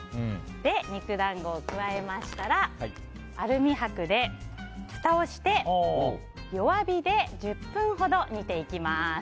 肉団子を加えましたらアルミ箔でふたをして弱火で１０分ほど煮ていきます。